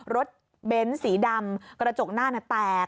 รถเบนท์สีดำกระจกหน้าน่ะแตก